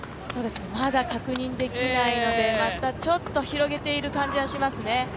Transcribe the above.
まだ確認できないので、ちょっと広げている感じはしますね。